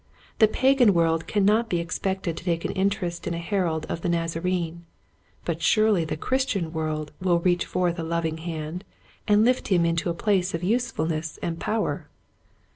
The Pagan world cannot be ex pected to take an interest in a herald of the Nazarene, but surely the Christian world will reach forth a loving hand and lift him into a place of usefulness and power.